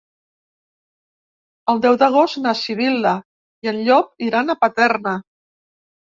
El deu d'agost na Sibil·la i en Llop iran a Paterna.